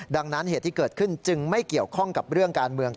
ดังนั้นเหตุที่เกิดขึ้นจึงไม่เกี่ยวข้องกับเรื่องการเมือง